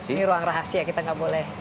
ini ruang rahasia kita nggak boleh